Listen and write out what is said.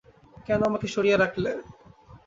কেন আমাকে সরিয়ে রাখলে?